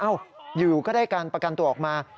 อยู่ก็ได้การประกันตัวออกมา